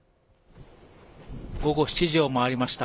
午後７時を回りました。